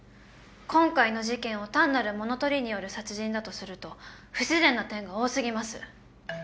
今回の事件を単なる物取りによる殺人だとすると不自然な点が多過ぎます。